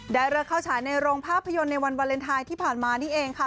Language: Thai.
เลิกเข้าฉายในโรงภาพยนตร์ในวันวาเลนไทยที่ผ่านมานี่เองค่ะ